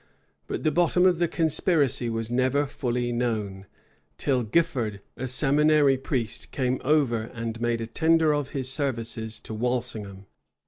But the bottom of the conspiracy was never fully known, till Gifford, a seminary priest, came over and made a tender of his services to Walsingham.